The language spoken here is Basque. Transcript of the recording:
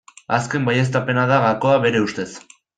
Azken baieztapena da gakoa bere ustez.